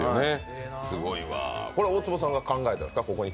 これは大坪さんが考えたんですか？